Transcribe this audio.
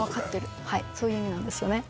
はいそういう意味なんですよね